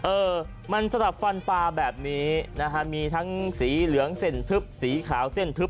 เออมันสลับฟันปลาแบบนี้นะฮะมีทั้งสีเหลืองเส้นทึบสีขาวเส้นทึบ